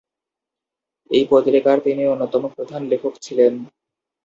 এই পত্রিকার তিনি অন্যতম প্রধান লেখক ছিলেন।